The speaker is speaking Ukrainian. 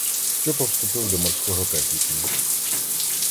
Стьопа вступив до морського технікуму.